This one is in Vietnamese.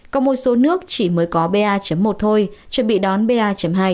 có một số nước chỉ mới có ba một thôi chuẩn bị đón ba hai